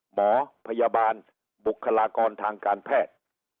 หมอพยาบาลบุคลากรทางการแพทย์